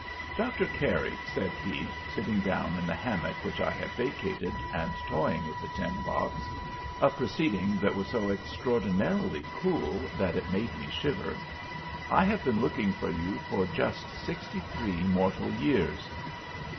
"'Doctor Carey,' said he, sitting down in the hammock which I had vacated, and toying with the tin box a proceeding that was so extraordinarily cool that it made me shiver 'I have been looking for you for just sixty three mortal years.'